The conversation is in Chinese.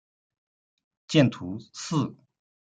见图四。